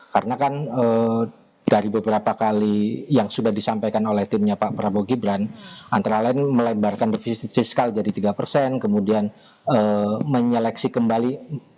karena kan dari beberapa kali yang sudah disampaikan oleh timnya pak prabowo gibran antara lain melembarkan defisit fiskal dari tiga kemudian menyeleksi kembali